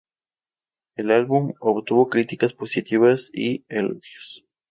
El álbum obtuvo críticas positivas y elogios.